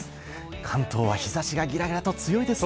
関東は日差しがギラギラと強いですね。